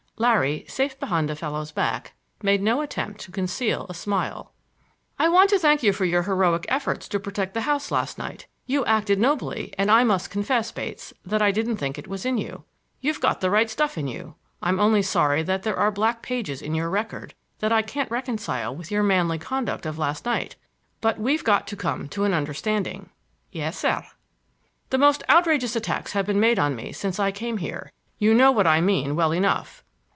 Larry, safe behind the fellow's back, made no attempt to conceal a smile. "I want to thank you for your heroic efforts to protect the house last night. You acted nobly, and I must confess, Bates, that I didn't think it was in you. You've got the right stuff in you; I'm only sorry that there are black pages in your record that I can't reconcile with your manly conduct of last night. But we've got to come to an understanding." "Yes, sir." "The most outrageous attacks have been made on me since I came here. You know what I mean well enough.